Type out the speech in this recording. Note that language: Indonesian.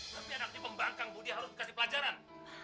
tapi anaknya pembangkang budi harus dikasih pelajaran